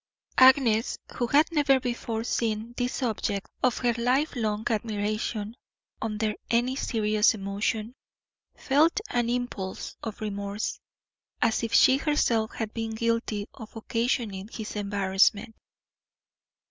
Agnes, who had never before seen this object of her lifelong admiration under any serious emotion, felt an impulse of remorse, as if she herself had been guilty of occasioning him embarrassment.